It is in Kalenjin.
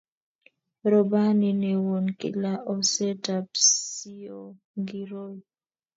robani newon kila oset ab siongiroi